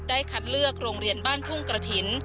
คัดเลือกโรงเรียนบ้านทุ่งกระถิ่น